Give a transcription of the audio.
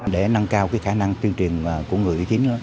để nâng cao cái khả năng tuyên truyền của người uy tín đó